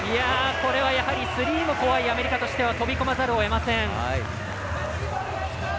これはやはりスリーも怖いアメリカとしては飛び込まざるを得ません。